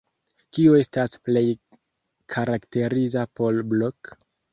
Kio estas plej karakteriza por Blok?